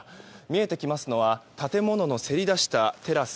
見えてきますのは建物のせり出したテラス